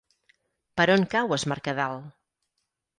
Per on cau Es Mercadal?